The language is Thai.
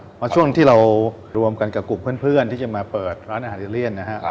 เพราะช่วงที่เรารวมกันกับกลุ่มเพื่อนที่จะมาเปิดร้านอาหารอิตาเลียนนะฮะ